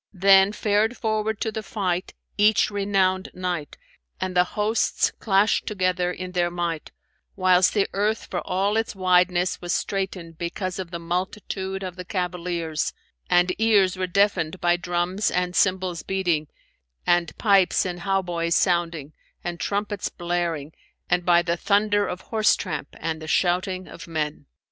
Then fared forward to the fight each renowned knight, and the hosts clashed together in their might, whilst the earth for all its wideness was straitened because of the multitude of the cavaliers and ears were deafened by drums and cymbals beating and pipes and hautboys sounding and trumpets blaring and by the thunder of horse tramp and the shouting of men.